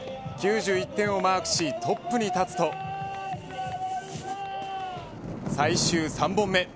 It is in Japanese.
９１点をマークしトップに立つと最終３本目。